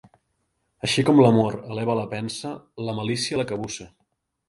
Així com l'amor eleva la pensa, la malícia la cabussa.